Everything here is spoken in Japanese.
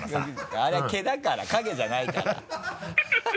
あれは毛だから影じゃないから。